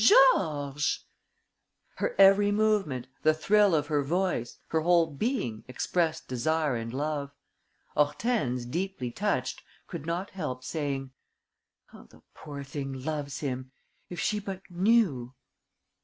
Georges!..." Her every movement, the thrill of her voice, her whole being expressed desire and love. Hortense, deeply touched, could not help saying: "How the poor thing loves him! If she but knew...."